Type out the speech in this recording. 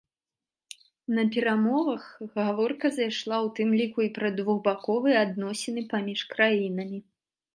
На перамовах гаворка зайшла ў тым ліку і пра двухбаковыя адносіны паміж краінамі.